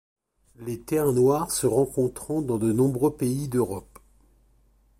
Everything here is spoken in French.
Les terres noires se rencontrant dans de nombreux pays d'Europe.